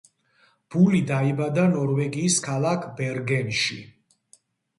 ბული დაიბადა ნორვეგიის ქალაქ ბერგენში.